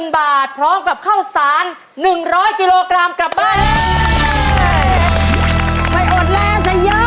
๒๐๐๐๐บาทพร้อมกับเข้าสาร๑๐๐กิโลกรัมกลับบ้าน